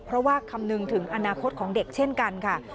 เพราะว่าคำนึงถึงอนาคตของเด็กเช่นกันค่ะ